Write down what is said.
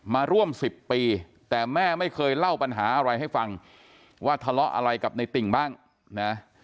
มาร่วม๑๐ปีแต่แม่ไม่เคยเล่าปัญหาอะไรให้ฟังว่าทะเลาะอะไรกับในติ่งบ้างนะ